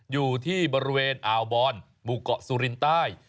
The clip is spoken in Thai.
อยู่ที่บริเวณอ่าวบอนหมู่เกาะสุรินใต้